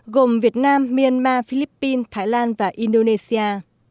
gồm việt nam myanmar philippines thái lan và indonesia